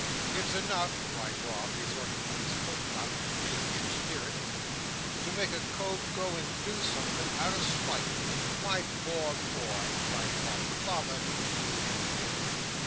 It's enough," cried Rob, resorting to his coat cuff in anguish of spirit, "to make a cove go and do something, out of spite!" "My poor boy!" cried Polly, "father didn't mean anything."